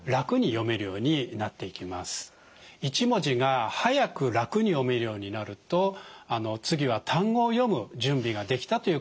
１文字が速く楽に読めるようになると次は単語を読む準備ができたということになります。